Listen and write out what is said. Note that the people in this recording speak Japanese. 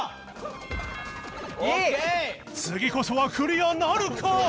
次こそはクリアなるか？